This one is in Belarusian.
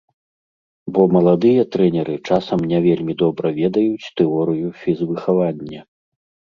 Бо маладыя трэнеры часам не вельмі добра ведаюць тэорыю фізвыхавання.